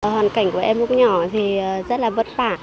hoàn cảnh của em lúc nhỏ thì rất là vất vả